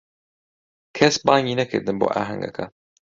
کەس بانگی نەکردم بۆ ئاهەنگەکە.